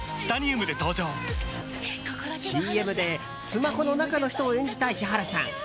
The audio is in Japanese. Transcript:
ＣＭでスマホの中の人を演じた石原さん。